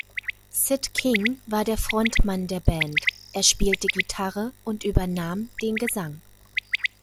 Sid King war der Frontmann der Band; er spielte Gitarre und übernahm den Gesang.